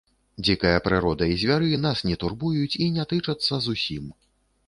Дзікая прырода і звяры нас не турбуюць і не тычацца зусім.